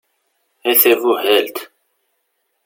A tabuhalt!